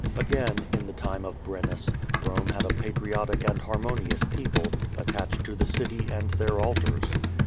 Again, in the time of Brennus, Rome had a patriotic and harmonious people, attached to the city and their altars.